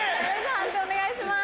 判定お願いします。